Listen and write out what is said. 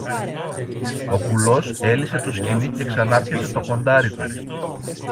Ο κουλός έλυσε το σκοινί και ξανάπιασε το κοντάρι του